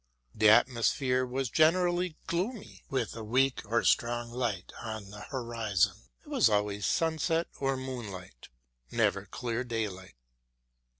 The atmosphere was generally gloomy, with a weak or strong light on the horizon; it was always sunset or moonlight, never clear daylight.